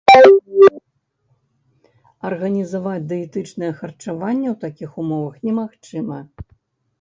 Арганізаваць дыетычнае харчаванне ў такіх умовах немагчыма.